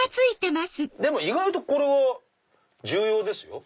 でも意外とこれは重要ですよ。